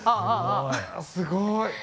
すごい！